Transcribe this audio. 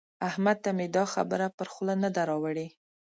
احمد ته مې دا خبره پر خوله نه ده راوړي.